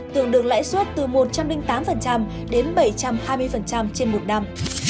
tưởng được lãi suất từ một trăm linh tám đến bảy trăm hai mươi trên một năm